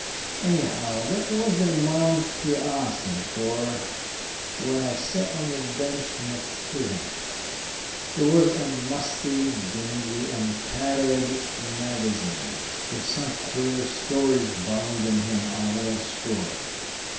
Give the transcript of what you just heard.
Anyhow, that was the amount he asked me for when I sat on the bench next to him. He was a musty, dingy, and tattered magazine, with some queer stories bound in him, I was sure.